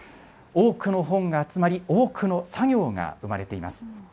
多くの本が集まり、多くの作業が生まれています。